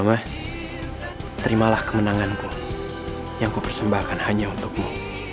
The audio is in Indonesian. mas terimalah kemenanganku yang kupersembahkan hanya untukmu